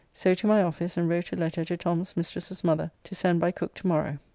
So to my office and wrote a letter to Tom's mistress's mother to send by Cooke to morrow.